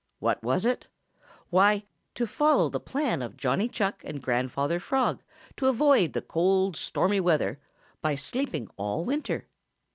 What was it? Why, to follow the plan of Johnny Chuck and Grandfather Frog to avoid the cold, stormy weather by sleeping all winter.